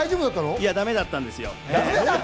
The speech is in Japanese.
いや、だめだったんですよ。